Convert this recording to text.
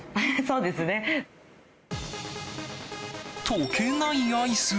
溶けないアイス？